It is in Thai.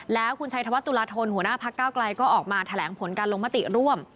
แล้วคุณชัยธวัฒนตุลาธนหัวหน้าพักเก้าไกลก็ออกมาแถลงผลการลงมติร่วม